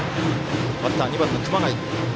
バッター、２番の熊谷。